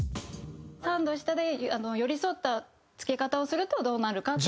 ３度下で寄り添ったつけ方をするとどうなるかっていう。